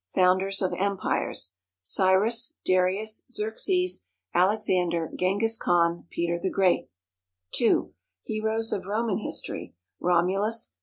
Founders of Empires. CYRUS. DARIUS. XERXES. ALEXANDER. GENGHIS KHAN. PETER THE GREAT. II. Heroes of Roman History. ROMULUS.